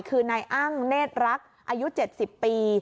คือนายอ้างเนธรักอายุ๗๐ปี